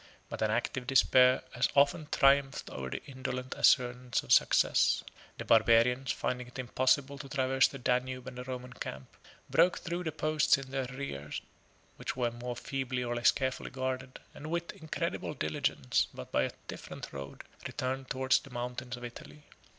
But an active despair has often triumphed over the indolent assurance of success. The barbarians, finding it impossible to traverse the Danube and the Roman camp, broke through the posts in their rear, which were more feebly or less carefully guarded; and with incredible diligence, but by a different road, returned towards the mountains of Italy.